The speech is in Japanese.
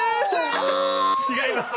違います。